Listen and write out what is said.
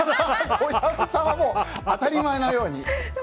小籔さんはもう当たり前のように。